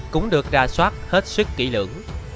cũng được ra soát hết suất kỹ lưỡng